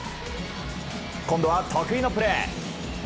今度は得意のプレー。